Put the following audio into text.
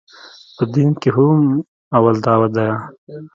په دين کښې هم اول دعوت ديه.